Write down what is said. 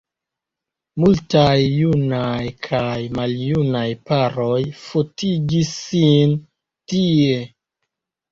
Multaj junaj kaj maljunaj paroj fotigis sin tie.